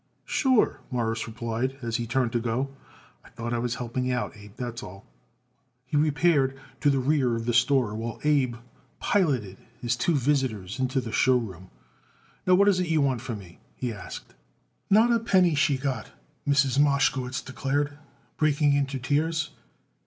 "Sure," Morris replied, as he turned to go. "I thought I was helping you out, Abe, that's all." He repaired to the rear of the store, while Abe piloted his two visitors into the show room. "Now what is it you want from me?" he asked. "Not a penny she got it," Mrs. Mashkowitz declared, breaking into tears.